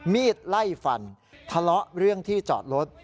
มีดไล่ฟันทะเลาะเรื่องที่จอดรถ